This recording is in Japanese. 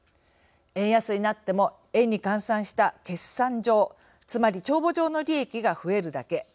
円安になっても円に換算した決算上つまり帳簿上の利益が増えるだけ。